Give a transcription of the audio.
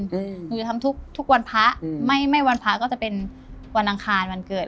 หนูจะทำทุกทุกวันพระอืมไม่ไม่วันพระก็จะเป็นวันอังคารวันเกิด